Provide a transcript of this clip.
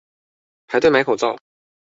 排隊買口罩